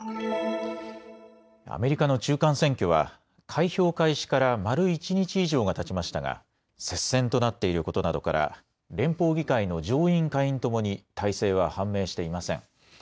アメリカの中間選挙は開票開始から丸一日以上がたちましたが、接戦となっていることなどから連邦議会の上院、下院ともに大勢は判明していません。